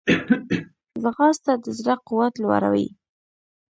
ځغاسته د زړه قوت لوړوي